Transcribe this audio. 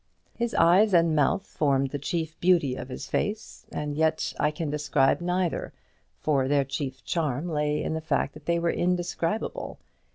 His eyes and mouth formed the chief beauty of his face; and yet I can describe neither, for their chief charm lay in the fact that they were indescribable.